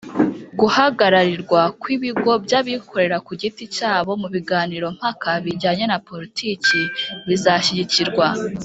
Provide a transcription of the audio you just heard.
guhagararirwa kw'ibigo by'abikorera ku giti cyabo mu biganiro mpaka bijyanye na politiki bizashyigikirwa